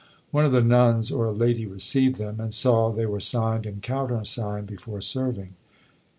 One of the nuns or a lady received them, and saw they were signed and countersigned before serving.